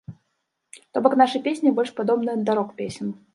То бок нашы песні больш падобныя да рок-песень.